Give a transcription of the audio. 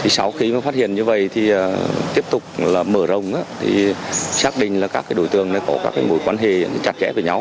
sau khi phát hiện như vậy tiếp tục mở rồng xác định các đối tượng có mối quan hệ chặt chẽ với nhau